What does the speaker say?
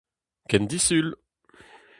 Ken disul !